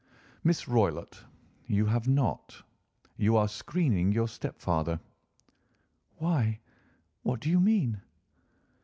"Miss Roylott, you have not. You are screening your stepfather." "Why, what do you mean?"